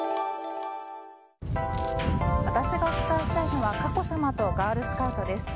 私がお伝えしたいのは佳子さまとガールスカウトです。